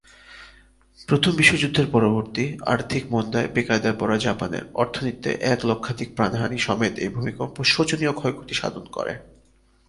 প্রথম বিশ্বযুদ্ধের পরবর্তী আর্থিক মন্দায় বেকায়দায় পড়া জাপানের অর্থনীতিতে এক লক্ষাধিক প্রাণহানি সমেত এই ভূমিকম্প শোচনীয় ক্ষয়ক্ষতি সাধন করে।